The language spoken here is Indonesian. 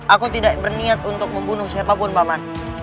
aku tidak berniat untuk membunuh siapapun paman